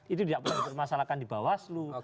itu tidak pernah dipermasalahkan di bawaslu